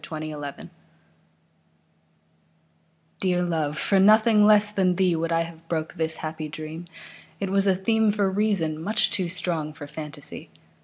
The Dream DEAR love, for nothing less than theeWould I have broke this happy dream; It was a themeFor reason, much too strong for fantasy.